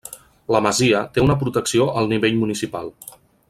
La masia té una protecció al nivell municipal.